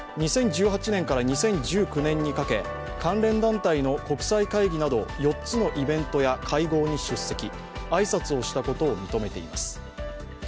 ２０１８年から２０１９年にかけ関連団体の国際会議など４つのイベントや会合に出席、挨拶をしたことを認めています。